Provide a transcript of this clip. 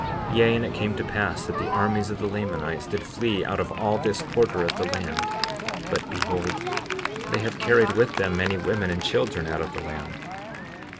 58:30 Yea, and it came to pass that the armies of the Lamanites did flee out of all this quarter of the land. But behold, they have carried with them many women and children out of the land.